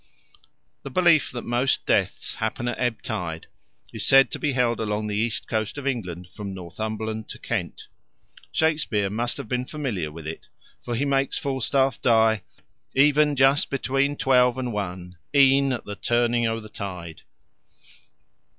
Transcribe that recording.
The belief that most deaths happen at ebb tide is said to be held along the east coast of England from Northumberland to Kent. Shakespeare must have been familiar with it, for he makes Falstaff die "even just between twelve and one, e'en at the turning o' the tide."